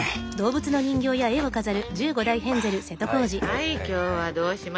はい今日はどうしましたか？